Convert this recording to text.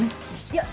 いや。